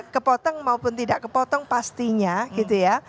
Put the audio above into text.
kepotong maupun tidak kepotong pastinya gitu ya